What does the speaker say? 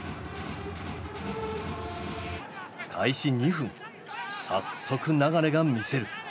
開始２分早速流が見せる。